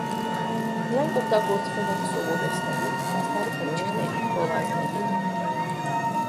Նրանք օգտագործվում էին սովորեցնելու, մասնավոր թռիչքների, գովազների համար։